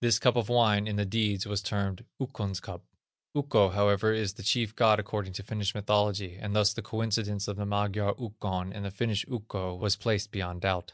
This cup of wine, in the deeds, was termed, "Ukkon's cup." Ukko, however, is the chief God according to Finnish mythology, and thus the coincidence of the Magyar Ukkon and the Finnish Ukko was placed beyond doubt.